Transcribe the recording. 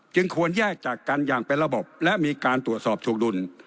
ควรแยกจากกันอย่างเป็นระบบและมีการตรวจสอบถูกดุล